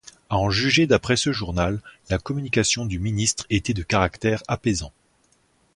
À en juger d'après ce journal, la communication du ministre était de caractère apaisant.